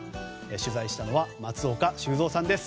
取材したのは松岡修造さんです。